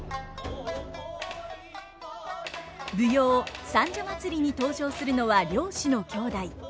舞踊「三社祭」に登場するのは漁師の兄弟。